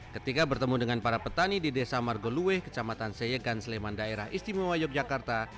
ketika bertemu dengan para petani di desa margolue kecamatan seyegan sleman daerah istimewa yogyakarta